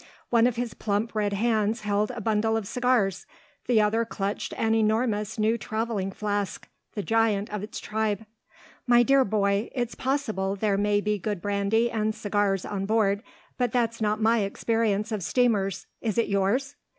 One of his plump red hands held a bundle of cigars. The other clutched an enormous new travelling flask the giant of its tribe. "My dear boy, it's possible there may be good brandy and cigars on board; but that's not my experience of steamers is it yours?"